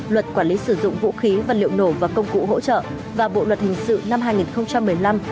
luật quản lý sử dụng vũ khí vật liệu nổ và công cụ hỗ trợ và bộ luật hình sự năm hai nghìn một mươi năm